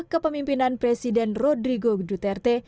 selama pemimpinan presiden rodrigo duterte